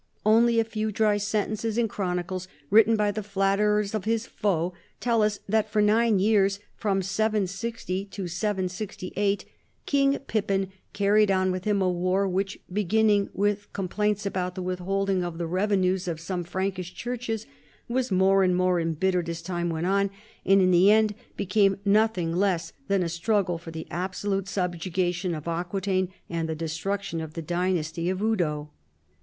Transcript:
Only a few dry sentences in chronicles, written by the flatterers of his foe, tell us that for nine years (7G0 708) King Pippin carried on with him a war which, l)eginning with complaints about the withholding of the revenues of some Frankish clmrches, was more and more embittered as time went on, and in the end became nothing less than a struggle for the absolute subjugation of Aquitaine and the destruc tion of the dynasty of Eudo.